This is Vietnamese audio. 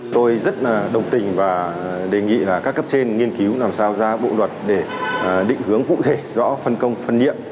tôi rất đồng tình và đề nghị là các cấp trên nghiên cứu làm sao ra bộ luật để định hướng cụ thể rõ phân công phân nhiệm